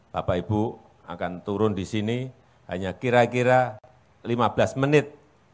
bapak ibu akan turun di sini hanya kira kira lima belas menit